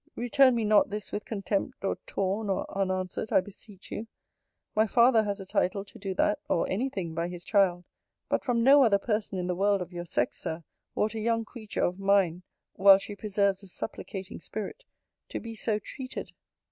Return me not this with contempt, or torn, or unanswered, I beseech you. My father has a title to do that or any thing by his child: but from no other person in the world of your sex, Sir, ought a young creature of mine (while she preserves a supplicating spirit) to be so treated.